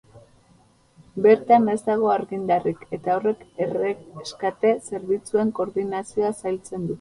Bertan ez dago argindarrik, eta horrek erreskate zerbitzuen koordinazioa zailtzen du.